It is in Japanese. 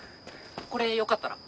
これよかったら。